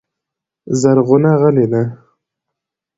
زرغونه غلې ده .